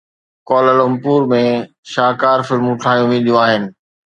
Kuala Lumpur ۾ شاهڪار فلمون ٺاهيون وينديون آهن.